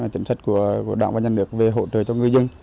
chính sách của đảng và nhân lực về hỗ trợ cho ngư dân